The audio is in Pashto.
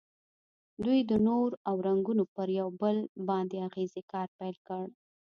دوی د نور او رنګونو پر یو بل باندې اغیزې کار پیل کړ.